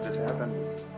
udah udah sehatan